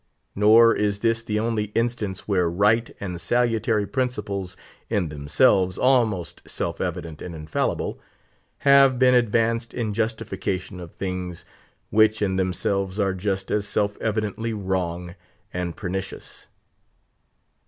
Nor is this the only instance where right and salutary principles, in themselves almost self evident and infallible, have been advanced in justification of things, which in themselves are just as self evidently wrong and pernicious.